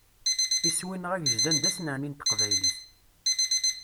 Iswi-nneɣ agejdan d asnerni n teqbaylit.